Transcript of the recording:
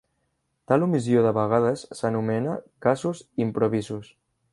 Tal omissió de vegades s'anomena "casus improvisus".